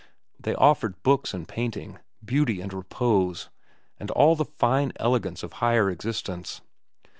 They offered books and painting, beauty and repose, and all the fine elegance of higher existence.